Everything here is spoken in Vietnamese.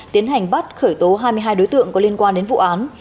tiến hành bắt khởi tố hai mươi hai đối tượng có liên quan đến vụ án